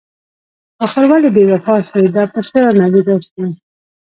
اخر ولې بې وفا شوي؟ دا په څه رانه جدا شوي؟